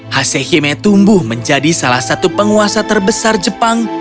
hasehime tumbuh menjadi salah satu penguasa terbesar jepang